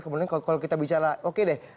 kemudian kalau kita bicara oke deh